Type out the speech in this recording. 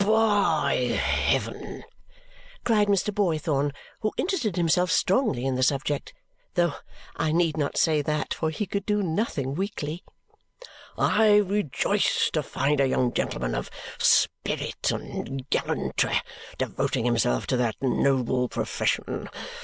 "By heaven!" cried Mr. Boythorn, who interested himself strongly in the subject though I need not say that, for he could do nothing weakly; "I rejoice to find a young gentleman of spirit and gallantry devoting himself to that noble profession!